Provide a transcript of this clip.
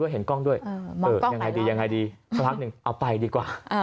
เห็นกล้องด้วยยังไงดีข้างทักหนึ่งเอาไปดีกว่า